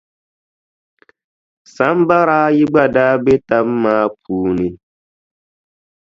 Sambara ayi gba daa be tam maa puuni.